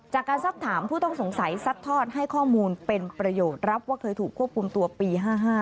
จากการซักถามผู้ต้องสงสัยซัดทอดให้ข้อมูลเป็นประโยชน์รับว่าเคยถูกควบคุมตัวปี๕๕